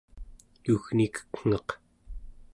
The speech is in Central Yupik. yugnikek'ngaq